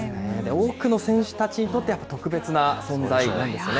多くの選手たちにとって、特別な存在なんですよね。